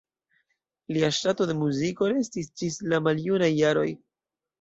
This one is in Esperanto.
Lia ŝtato de muziko restis ĝis la maljunaj jaroj.